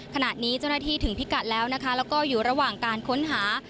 ขณะนี้เจ้าหน้าที่ถึงพิกัดแล้วนะคะแล้วก็อยู่ระหว่างการค้นหา